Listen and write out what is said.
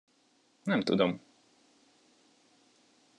Nem tudom!